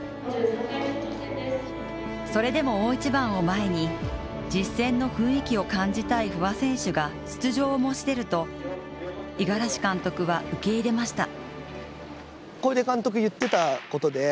それでも大一番を前に実戦の雰囲気を感じたい不破選手が出場を申し出ると五十嵐監督は受け入れました。